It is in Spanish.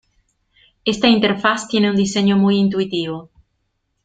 Esta interfaz tiene un diseño muy intuitivo.